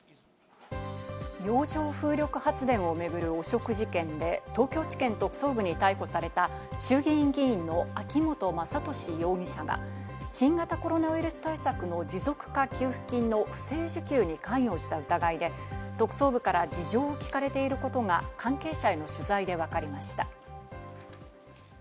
洋上風力発電を巡る汚職事件で、東京地検特捜部に逮捕された衆議院議員の秋本真利容疑者が、新型コロナウイルス対策の持続化給付金の不正受給に関与した疑いで、特捜部から事情を聞かれていることが関係者への取材でわかりました。